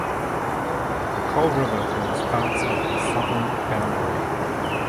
The Coal River forms parts of the southern boundary.